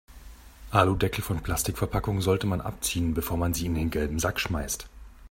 Aludeckel von Plastikverpackungen sollte man abziehen, bevor man sie in den gelben Sack schmeißt.